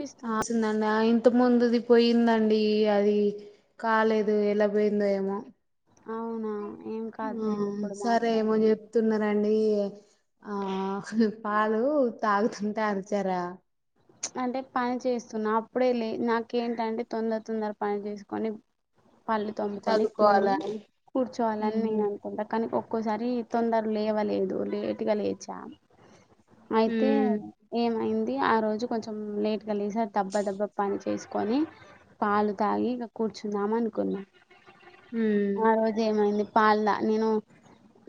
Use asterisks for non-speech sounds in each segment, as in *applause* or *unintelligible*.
పిస్తుందా ఆస్తుందండి ఆ ఇంత ముందుది పోయిందండి అది కాలేదు ఎలా పోయిందో ఏమో అవునా ఏం ఆ కాదులేండి ఇప్పుడు సరే ఏమో మాట్లాడండి చెప్తున్నారండి ఆ పాలు తాగుతుంటే అరిచారా చుప్ అంటే పని చేస్తున్నా అప్పుడే లే నాకేంటంటే తొందర తొందర పని చేసుకొని పళ్ళు తోముకుని తిని చదువుకోవాలా కూర్చోవాలని ఉమ్ నేను అనుకుంటా కానీ ఓ ఒక్కోసారి తొందర లేవలేదు లేటుగా లేచాం అయితే ఉమ్ ఏమైంది ఆ రోజు కొంచెం లేట్ గ లేసి దబ్బ దబ్బ పని చేసుకొని పాలు తాగి ఇగ కూర్చుందాం అనుకున్నాం ఉమ్ పాల నేను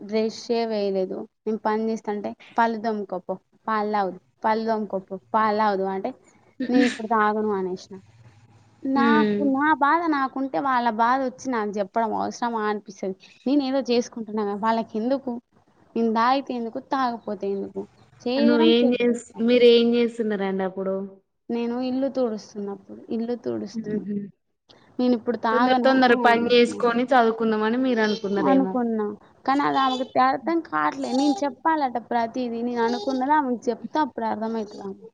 బ్రెష్ ఏ వేయలేదు నేను పని చేస్తా అంటే పళ్ళు దొమకో పో పాలు దాగు పాళ్లు దోముకో పో పాలు తగు. అంటే నే ఇప్పుడు తాగడు అనేసినా నాకు ఉమ్ నా బాధ నాకుం అయితే వాళ్ళ బాధ వచ్చి నాకు చెప్పడం అవసరమా అనిపిస్తది. నేను ఏదో చేసుకుంటున్నాన వాళ్ళకి ఎందుకు నేను తాగితే ఎందుకు తాగకపోతే ఎందుకు. అనువ్వు చేయడం ఏం జేస్ చేసేస్తా మీరు ఏం జేస్ తున్నారండి అప్పుడు నేను ఇల్లు తుడుస్తున్నప్పుడు ఇల్లు ఉహ్ తుడుస్తున్నా హ్ నేను ఇప్పుడు తొందర తాగను తొందర అని పని అనేసిన చేసుకొని చదువుకుందామని మీరు అనుకున్నారేమో అనుకున్నా కాని అది ఆమెకు *unintelligible* అర్థం కావట్లే నేను చెప్పాలట ప్రతీదీ నేను అనుకున్నది ఆమెకు చెప్తా అప్పుడు అర్ధమైతది ఆమెకు.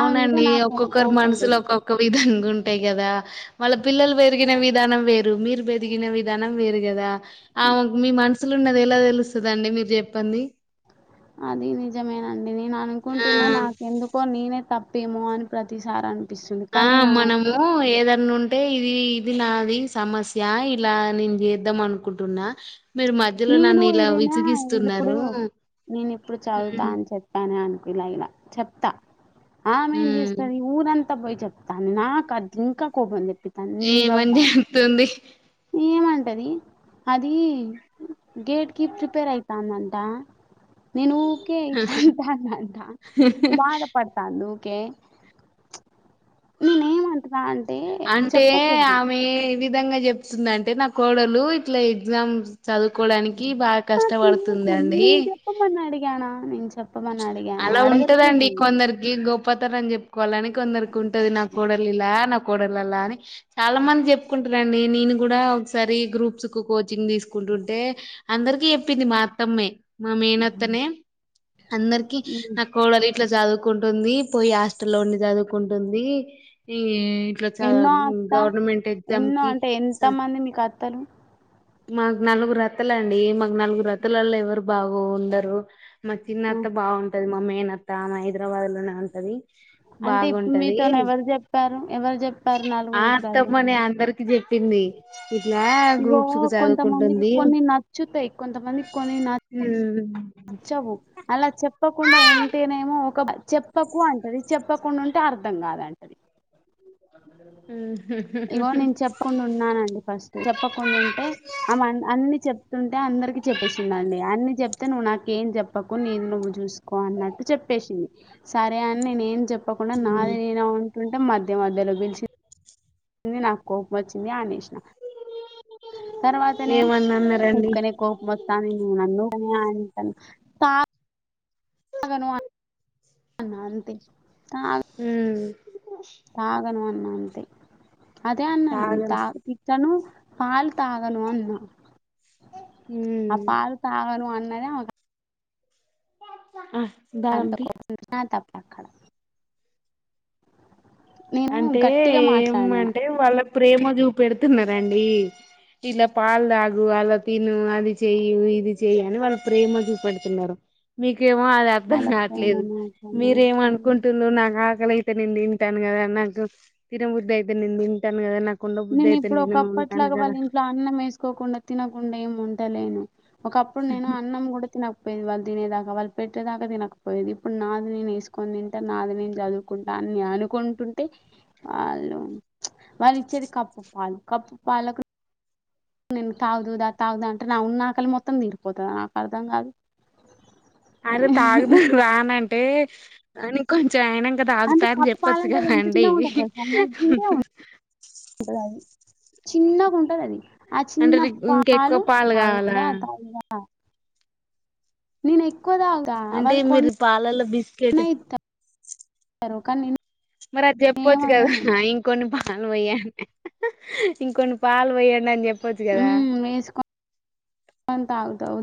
ఆమె మీద నాకేం ఒక్కొక్కరు కోపం మనసులు లేదు. ఒక్కొక్క విధంగా ఉంటాయి కదా. వాళ్ళ పిల్లలు పెరిగిన విధానం వేరు. మీరు పెరిగిన విధానం వేరు కదా. ఆవు మీ మన్స్ సులో ఉన్నది ఎలా తెలుస్తదండి మీరు చెప్పంది అది నిజమేనం నేను ఆ అనుకుంటున్నా నాకెందుకో నేనే తప్ పెమో అని ప్రతిసారి అన్ ఆ మనము ఎదన్నుంటే ఇది *unintelligible* అది సమస్య ఇలా నేను చేద్దాం అనుకుంటున్నా మీరు మధ్యలో నేను నన్ను ఇలా ఏదైనా ఇల్లిప్పుడు విసిగిస్తున్నారు. నేను ఇప్పుడు చదువుతా హ్మ్ అని చెప్పానా అన్ ఇలా ఇలా చెప్తా ఆమెం హ్మ్ జెస్తది ఊరం అంత పోయి చెప్తంది నాకు అది ఇంకా కోపం దెప్ ఏ మంజ అత్తుంది ఏమంటది అది గేట్ కి ప్రిపేర్ అయితందంట నేను ఊకె ఇట్లా అంటాందంట బాధ పడతాండు కె నేనేం అంటున్నా అం అంటే ఆమే ఏవి విధంగా చెప్తుందంటే నా కోడలు ఇట్లా ఎగ్జామ్స్ చదువుకోడానికి ఆమేకి ఎందుకు నేను చెప్పమని అడిగాన నేను చెప్ అలా ఉంటదండి కొందరికి గొప్ ప్పతనం జెప్ కొళ్ళని కొందరికి ఉంటది నా కోడలి నా కోడలి *unintelligible* అని చాలా మంది చెప్పుకుంటారండి నేను కూడా ఒకసారి గ్రూప్స్ కు కోచింగ్ తీసుకుంటుంటే అందరికి చెప్పింది మా అత్తమ్మే మా మేనత్తనే అందరికి మ్మ్ నా కోడలి ఇట్లా చదువుకుంటుంది. పోయి హాస్టల్లో ఉండి చదువుకుంటుంది. ఈ ఇట్లా చా ఎన్నో గు అత్త గవర్నమెంట్ ఎగ్జామ్ ఎన్నో కి అంటే ఎంత స మంది మీకు అత్తలు మాకు నలుగురు అత్తలండి. మాకు నలుగురు అత్త లల్లో ఎవరు బాగు ఉండరు. మా హ్మ్. చిన్నత్త బాగుం మా మేనత్త హైదరాబాద్ లోనే ఉంటది. అంటే ఇప్పుడు బాగుంటది మీతోను ఎవరు చెప్పారు. ఎవరు చెప్పారు ఆ నలుగురు ఇట్లలో అత్తమ్మనే అందరికి చెప్పింది ఇట్లా ఇగో గ్రూప్స్ కు కొంతమందికి చదువుకుంటుంది కొన్ని నచ్చుతయి. కొంతమందికి కొన్ని న ఉమ్ నచ్చవు అలా చెప్పకుండా ఉంటేనేమో, ఒక చెప్పకు అంటది. చెప్పకుండా ఉంటే అర్ధం కాద అంటది. ఉ ఇగో నేను చెప్పకుండా ఉన్నానండి. ఫస్ట్ చెప్పకుండా ఉంటే ఆమె అన్ని చెప్ప చెప్తుంటే అందరికి చెప్పేసింది అండి. అన్ని చెప్తే నువ్వు నాకేం చెప్పకు. నీది నువ్వు చూసుకో అన్నట్టు చెప్పేసింది. సరే అని నేను ఏం చెప్ప పకుండా నాదే ఇగ అంటే మధ్య మధ్యలో పిలిచి ని నాకు కోపం వచ్చింది అనేసి తర్వాతనే ఏమన్నా అన్నారండి ఊరకనే కోప మొత్తాందనే నన్ను అంటను తా ఆగను అన్నా అంతే తాద్ ఉమ్ తాగను అను అదే అన్నా నేను తాగం తాగ తిట్టను లపాల్ తాగను అన్నా ఉమ్ ఆ పాలు తాగను అన్ అదేమ ఆ అంత దారం తీ కోపం అన్నా తప్ అక్కడ నేను అంటే గట్టిగా ఏం మాట్లాడినా అంటే వాళ్ళక్ ప్రేమ చూపెడుతున్నారండి. ఇలా పాలు తాగు, అలా తిను, అది చెయివు ఇది చెయ్య అని, వాళ్ళు ప్రేమ చూపెడుతున్నారు. మీక్ కేమో అది అర్థం వాళ్ళ ప్రేమ కావట్లేదు. నాకు అనవసరం. మీరేమనుకుంటున్నారు నాకు మగల అయితే నేను తిను కదా నాకు తినబుద్ధి అయితే నేను తింటాను కదా నాక్ నేను ఇప్పుడు ఒకప్పట్లాగా వాళ్ళు ఇంట్లో, అన్నం వేసుకోకుండా, తినకుండా, ఏం ఉంటలేను. ఒకప్పుడు నేను అన్నం తిన వాళ్ళు తినేదాకా వాళ్ళు పెట్టేదాకా తినకపోయేది. ఇప్పుడు నాది నేను వేసుకొని తింటా. నాది నేను చదువుకుంటా అని అనుకుంటుంటే, వాళ్ళు వాళ్ళు ఇచ్చేది. కప్పు పాలు కప్పు పాలకు నేను తాగుదుదా తాగుదుా అంటే నా ఉన్న ఆకలి మొత్తం తీరిపోతాదా నాకు అర్ధం కాదు అరే తాగుదాం రాను అంటే అని కో జాయిన్ అయినంక అంటే తాగుతామని కప్పు చెప్పొచ్చు పాలంటే అది ఎంత కదండీ. చిన్నగా ఉంటది తెలుసా నలిగింతే చిన్నగుంటది అది ఆ అంటే చిన్న నీకు ఇంకెక్కువ పాలు కావాలా తాగుదా తాగుదా నేను ఏక్ అంటే మీరు పాలాల బిస్కెట్ ఇత్తారు కానీ మరి అది చెప్పచ్చు నేనేమనను కదా ఇంకొన్ని పాలు పో్యాడి ఇంకొన్ని పాలు పోయా వేసుకొని తాగుతావ్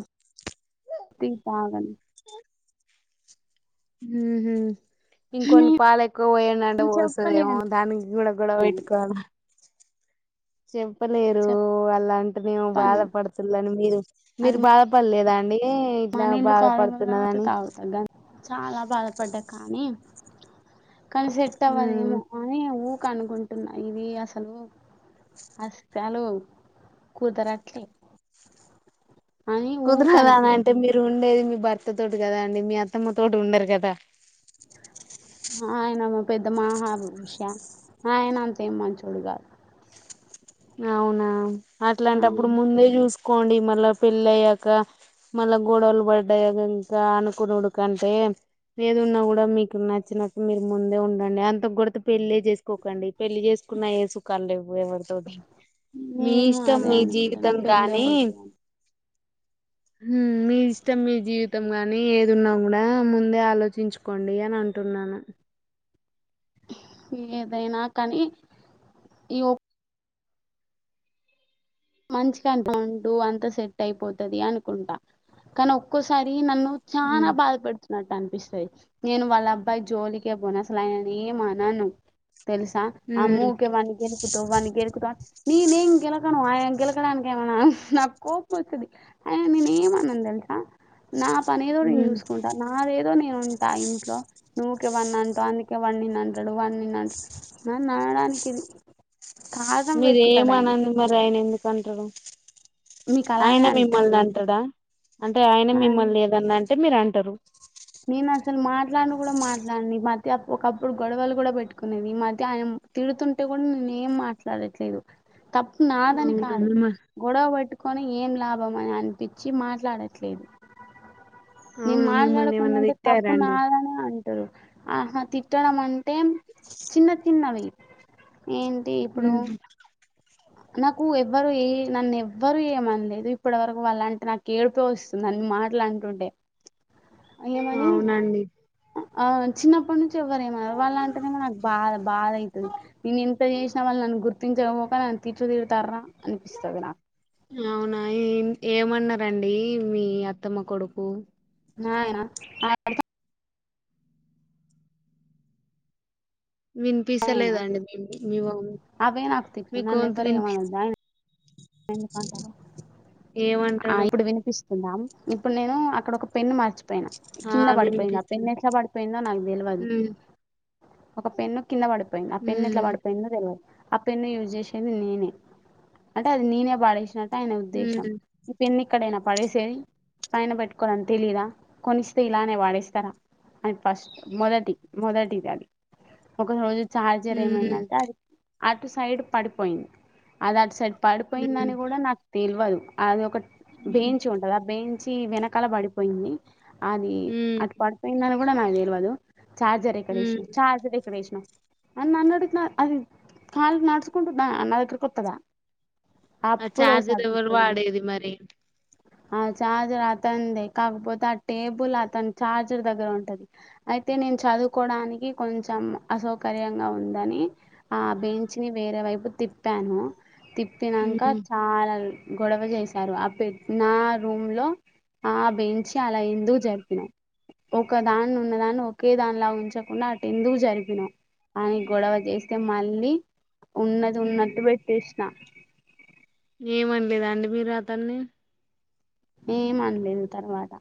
టీ తాగాను ఉహూ ఇంకొన్ని నేను పాలు ఎక్కువ పోయాడింటే పోస్తుదేమో చెప్పలేను దానికి కూడా కూడా గొడవ పెట్టుకోవాలా చెప్పలేరు అలా అంటేనేమో చెప్పను బాధపడుతులని మీరు మీరు అది బాధపడలేదా అ ఏయి ఇట్లా మనీళ్లు కాలువలా బాధపడుతున్నదని తాగుతా గం చాలా బాధపడ్డా కానీ కానీ సెట్ అవ్వదేమో ఉమ్ అని కాని ఊ కనుకుంటున్నా ఇవి అసలు హస్తాలు కుదరట్లే అని ఊకానికి అంట మీరు ఉండే మీ భర్త తోటి కదా అండి మీ అత్తమ్మ తోటి ఉండరు కదా ఆయన మా పెద్ద మహా బిరుష ఆయన ఏమంత మంచోడు కాదు అవునా అట్లాంట అప్పుడు అవును ముందే చూసుకో కోండి మళ్ళా పెళ్లి అయ్యాక మళ్ళా గొడవలు పడ్డాయా ఇంకా అనుకున్నడు కంటే ఏది ఉన్నా కూడా మీకు నచ్చినట్టు మీరు ముందే ఉండండి అంత గుడిత పెళ్లి చేసుకోకండి పెళ్లి చేసుకున్న ఏ సుఖాలు లేవు ఎవరితోటి మీ నేను ఇష్టం అదే మీ అనుకుంటాను జీవితం పెళ్లే గాని వద్దని మీ ఇష్టం మీ జీవితం గాని ఏది ఉన్నా కూడా ముందే ఆలోచించుకోండి అని అంటున్నాను ఏదైనా కానీ ఈ మంచిగాని బాండు అంత సెట్ అయిపోతుది అనుకుంటా కానీ ఒక్కోసారి నన్ను చానా ఉమ్ బాధపడుతూ కొట్టినట్టు అనిపిస్తుంది నేను వాళ్ళ అబ్బాయి జోలికే పోను అసలు ఆయనను ఏమనను తెలుసా ఆ మూకే వాని గెనుకుతు వానీ గెలుకుతా నేనేం గెలకను ఆయ గెలకడానికి ఏమన్నా నాకు కోపం వస్తుంది అయనా నేను ఏమనను తెలుసా నా పని ఏదో నేను ఉమ్ చూసుకుంటా నాదేదో నేను ఉంటా ఇంట్లో నువ్వు ఊకె అంటావు అందుకే వాడు నిన్ను అంటాడు వాడు అంటాడు నన్ను అనడానికి ఇన్ మీరేం ఆననంది మరి అయిన ఎందు కంటరో మీకు అలానే ఆయనే మిమ్మల్ని అనిపిస్తది అంటడాా అంటే ఆయన ఆ మిమ్మల్ని ఏదన్నా అంటే మీరు అం ంటారు నేను అసలు మాట్లాడన్ కూడా మాట్లాడన్ ఈ మధ్య అ ఒకప్పుడు గొడవలు కూడా పెట్టుకునేది ఈ మధ్య ఆయన తిడుతుంటే కూడా నేను ఏం మాట్లాడట్లేదు తప్పు నాదని అవునా కాదు మిమ్మ గొడవ పెట్టుకొని ఏం లాభం అని అనిపించి మాట్లాడట్లేదు నేను అవునా మాట్లా మిమ్మల్ని ఏమన్నా ంటే తప్పు తిట్టారా అండి నాదనే అంటారు ఆహా తిట్టడం మన్ టేం చిన్న చిన్నవి ఏంటి ఇప్పుడు నాకు ఎవ్వరు ఏ నన్ను ఎవ్వరుూ ఏమనలేదు ఇప్పటివరకు వాళ్ళంటే నాకు ఏడిపో వస్తుంది నన్న మాటలు అంటుంటే అయా మని అవునండి ఆ చిన్నప్పటి నుంచి ఎవ్వర్ ఏమనరూ వాళ్ళ అంటేనేమో నాకు బా బాధ అవుతుంది నేను ఇంత చేసినా వాళ్ళు నన్ను గుర్తించకపోక తిట్లు తిడుతారా అనిపిస్తది నాకు అవునా ఏం ఏమన్నరండి మీ అత్తమ్మ కొడుకు నాయన వినిపిసా ఆయనా లేదు అండి మీ వావ్ అవే నాకు తిట్లు మీ నన్ను గొంతు ఎవ్వరు వినిపిస్ ఏమనొద్దు ఆయన ఎందుకంటారు ఆ ఏమంటాడు ఇప్పుడు వినిపిస్తుందా ఇప్పుడు నేను అక్కడ ఒక పెన్ను మార్చి పోయిన ఆ కింద పడిపోయింది ఆ పెన్ను వినిపిస్తుంది ఎట్లా పడిపోయిందో నాకు తెలియదు ఉమ్ ఒక పెన్ను కింద పడిపోయింది ఆ పెన్న ఎట్లా ఉమ్ పడిపోయిందో తెలవదు అ పెన్ను యూజ్ చేసేది నేనే అంటే అది నేనే పాడేషినట్ ఆయన ఉద్దేశం ఉమ్ ఇ పెన్ని ఎక్కడైనా పడేసేది పైన పెట్టుకోల అని తెలీదా కొనిస్తే ఇలానే వాడేస్తారా అని ఫస్ట్ మొదటి మొదటిది అది ఒక రోజు ఛార్జర్ ఉమ్ ఏమైందంటే అది అటు సైడ్ పడిపోయింది అది అటు సైడ్ ఉమ్ పడిపోయిందని నాకు తెలివదు అది ఒక ఉమ్ బేంచి ఉంటది ఆ బేం మంచిి వెనకాల పడిపోయింది అది ఉమ్ అటు పడుపోయిందని కుడ నాకు తెలవదు చార్జర్ ఎక్కడ ఉమ్ ఎషం చార్జర్ ఎక్కడ ఎషం అ న నన్ను అడుగుడుతున్నా అది కాల్ నడ్స్కుంటు నా అ నాదగ్గరకు వత్తద ఆ చార్జెస్ ఎవ్వరు వాడేది మరి ఆ ఛార్జర్ అతన్ దే కాకపోతే ఆ టేబుల్ అతని చార్జర్ దగ్గర ఉంటది అయితే నేను చదువుకోవడానికి కొంచెం అసౌకర్యంగా ఉందని ఆ బెంచ్ ని వేరే వైపు తిప్పాను తిప్తిన ఉమ్ ఇంకా చాల రు గొడవ చేసారు ఆ పెట్టిన రూమ్ లో ఆ బెంచి్ అలా ఎందుకు జరిపినం ఒక దాని ఉన్న దాన్ని ఒకే దాని లా ఉంచకుండా అటు ఎందుకు జరిపినాం అని గొడవ చేస్తే మళ్ళీ ఉన్నది ఉమ్ ఉన్నట్ పెట్టేసిన ఏమండలేదా అండి మీరు అతన్ని ఏం అన్ లేదు తర్వాత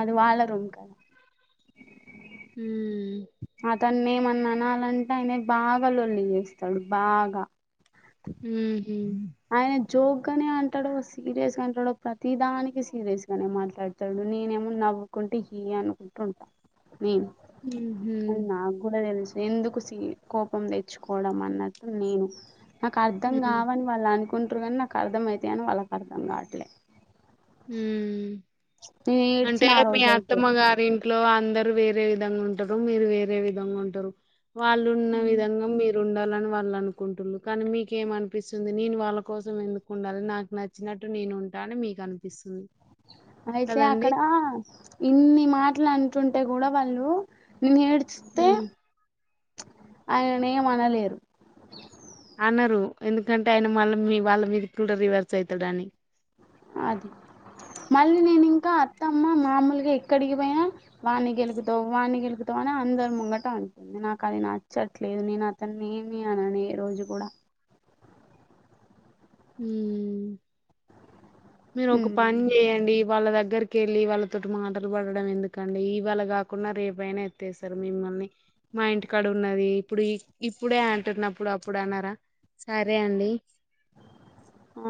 అది వాళ్ళ రూంమ్ కదా హ అతన్ని ఏమన్నా అనాలంటే ఆయనే బాగా లోల్లి చేస్తాడు బాగా ఉహ ఇ ఆయన జోగగానే అంటాడో సీరియస్ గా అంటాడో ప్రతిీదానికి సీరియస్ గానే మాట్లాడతాడు నేనేమో నవ్వుకుంటే హీ అనుకుంటూంటా నీ హుహు. నాకు కూడా తెలుసు ఎందుకు సీ కోపం తెచ్చుకోవడం అన్నట్టు నేను నాకు అర్ధం హ్మ్. కావని అలా అనుకుంటారు కానీ నాకు అర్థం అవుతాయి అని వాళ్ళకి అర్థం కావట్లే హ నేను అంటే ఏడ్చిన ఆ మీ రోజు అయితే అత్తమ్మ గారింటి ఇంట్లో లో అందరు వేరే విధంగా ఉంటారు మీరు వేరే విధంగా ఉంటారు వాళ్ళు ఉన్న విధంగా మీరు ఉంట ఉండాలని వాళ్ళు అనుకుంటు కానీ మీకేమ అనిపిస్తుంది నేను వాళ్ళ కోసం ఎందుకు ఉండాలి నాకు నచ్చినట్టు నేను ఉంటా అని మీకు అనిపి పిస్తు అయితే అక్కడ ఇన్ని మాటలు అంట చ ఉంటే కూడా వాళ్ళు నేను ఎడుస్తే హ్మ్. ఆయనేమ్ అనలేరు అన్నారు ఎందుకంటే ఆయన మళ్ళ మీ వాళ్ళ మీద కూడా రివర్స్ అయితాడు అని అది మళ్ళీ నేను ఇంకా అత్తమ్మ మామూలుగా ఎక్కడికి పోయినా వాణి గెలుకుతావు వాణి గెలుకుతావు అని అందరు ముంగట అంటంది నాకు అది నచ్చట్లేదు నేను అతన్ని ఏమి అననే రోజు కూడా హు మీరు ఒక పని ఉమ్ చేయండి వాళ్ళ దగ్గరికి వెళ్ళి వాళ్ళ తోటి మాటలు పడడం ఎందుకండి ఇవాళ గాకున్నా రేపయినా ఎత్స్తారు మిమ్మల్ని మా ఇంటికాడ ఉన్నది ఇప్పుడు ఇప్ ఇప్పుడే అంటున్నప్పుడు అప్పుడు అనరా సరే అండి ఆ